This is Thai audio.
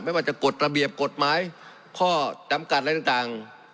ไม่ว่าจะกฎระเบียบกฎหมายข้อจำกัดอะไรต่าง